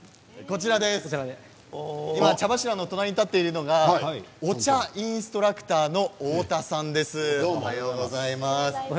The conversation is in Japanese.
今、茶柱の隣に立っているのがお茶インストラクターの太田さんです。